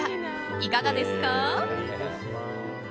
いかがですか？